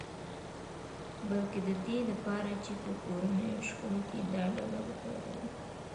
بلکې د دې لپاره چې په کورنیو شخړو کې دا ډله وکاروي